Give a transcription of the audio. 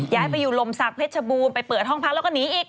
ย้ายไปอยู่ลมศักดิชบูรณ์ไปเปิดห้องพักแล้วก็หนีอีก